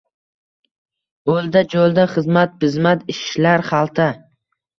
Oʼlda-joʼlda xizmat-pizmat, ishlar xalta.